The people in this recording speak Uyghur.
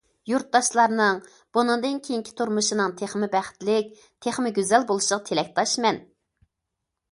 يۇرتداشلارنىڭ بۇنىڭدىن كېيىنكى تۇرمۇشىنىڭ تېخىمۇ بەختلىك، تېخىمۇ گۈزەل بولۇشىغا تىلەكداشمەن!